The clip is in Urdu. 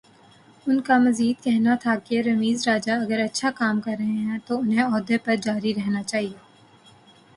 ان کا مزید کہنا تھا کہ رمیز راجہ اگر اچھا کام کررہے ہیں تو انہیں عہدے پر جاری رہنا چاہیے۔